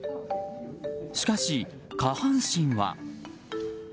しかし、下半身は。